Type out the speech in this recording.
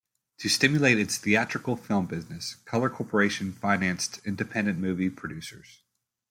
To stimulate its theatrical film business, Color Corporation financed independent movie producers.